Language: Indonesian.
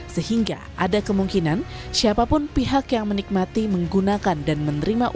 sehingga ada kemungkinan siapapun pihak yang menikmati menggunakan dan menerima uang